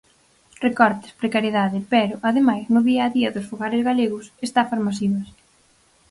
Recortes, precariedade, pero, ademais, no día a día dos fogares galegos, estafas masivas.